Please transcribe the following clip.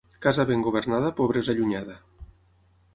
Casa ben governada, pobresa allunyada.